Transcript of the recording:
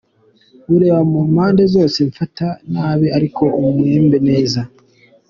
Ureba mu mpande zose, mfata nabi ariko umembe neza.